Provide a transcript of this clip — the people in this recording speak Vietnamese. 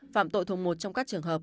phạm tội thuộc một trong các trường hợp